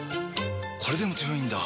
これでも強いんだ！